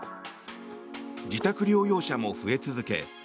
自宅療養者も増え続け